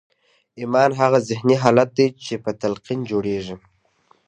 ایمان هغه ذهني حالت دی چې په تلقین جوړېږي